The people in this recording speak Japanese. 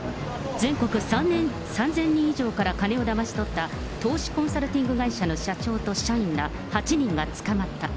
全国３０００人以上から金をだまし取った投資コンサルティング会社の社長と社員ら８人が捕まった。